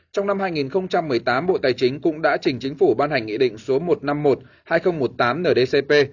trong năm hai nghìn một mươi tám bộ tài chính cũng đã trình chính phủ ban hành nghị định số một trăm năm mươi một hai nghìn một mươi tám ndcp